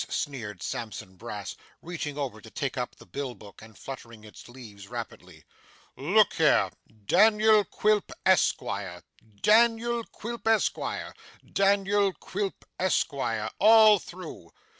sneered Sampson Brass, reaching over to take up the bill book, and fluttering its leaves rapidly. 'Look here Daniel Quilp, Esquire Daniel Quilp, Esquire Daniel Quilp, Esquire all through.